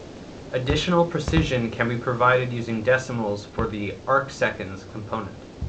Additional precision can be provided using decimals for the arcseconds component.